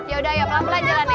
ya udah ayo pelan pelan jalan ya